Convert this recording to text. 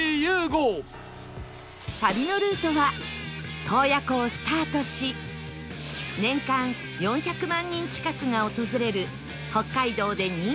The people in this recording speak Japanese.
旅のルートは洞爺湖をスタートし年間４００万人近くが訪れる北海道で人気 Ｎｏ．１ の温泉地